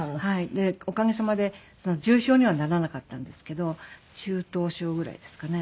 でおかげさまで重症にはならなかったんですけど中等症ぐらいですかね？